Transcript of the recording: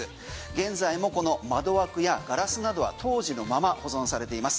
現在もこの窓枠やガラスなどは当時のまま保存されています。